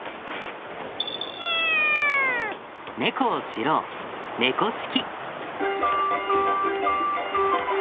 猫を知ろう「猫識」。